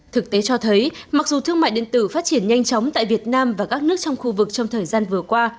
thực tế cho thấy mặc dù thương mại điện tử phát triển nhanh chóng tại việt nam và các nước trong khu vực trong thời gian vừa qua